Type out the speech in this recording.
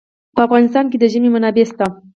په افغانستان کې د ژمی منابع شته.